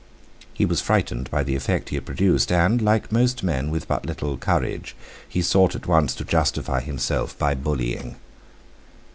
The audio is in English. He was frightened by the effect he had produced, and like most men with but little courage, he sought at once to justify himself by bullying.